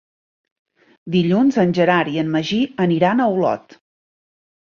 Dilluns en Gerard i en Magí aniran a Olot.